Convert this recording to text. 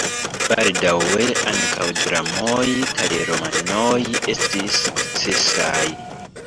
Baldaŭe ankaŭ dramoj kaj romanoj estis sukcesaj.